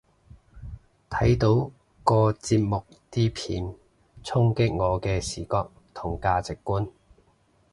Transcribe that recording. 睇到個節目啲片衝擊我嘅視覺同價值觀